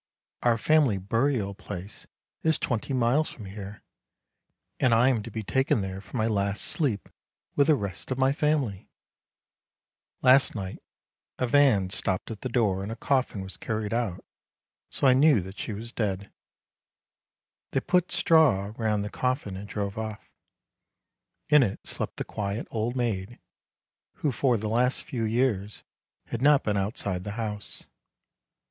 Our family burial place is twenty miles from here, and I am to be taken there for my last sleep with the rest of my family !' Last night a van stopped at the door, and a coffin was carried out, so I knew that she was dead. They put straw round the coffin and drove off. In it slept the quiet old maid, who for the last few years had not been outside the house.